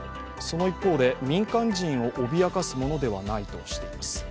その一方で、民間人を脅かすものではないとしています。